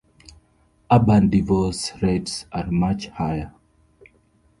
Urban divorce rates are much higher.